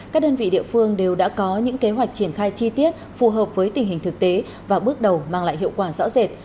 các đơn vị địa phương đều đã có những kế hoạch triển khai chi tiết phù hợp với tình hình thực tế và bước đầu mang lại hiệu quả rõ rệt